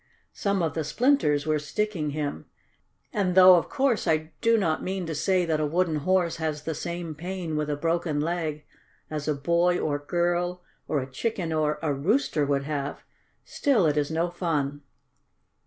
Some of the splinters were sticking him, and though of course I do not mean to say that a wooden horse has the same pain with a broken leg as a boy or girl or a chicken or a rooster would have, still it is no fun.